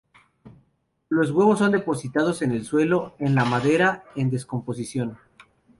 Los huevos son depositados en el suelo en la madera en descomposición.